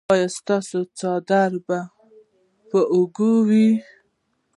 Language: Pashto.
ایا ستاسو څادر به پر اوږه وي؟